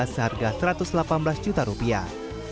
seharga satu ratus delapan belas juta rupiah